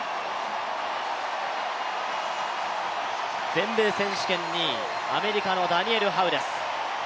全米選手権２位、アメリカのダニエル・ハウです。